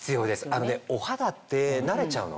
あのねお肌って慣れちゃうの。